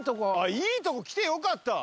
いいとこ来てよかった。